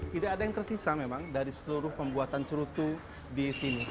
tidak ada yang tersisa memang dari seluruh pembuatan cerutu di sini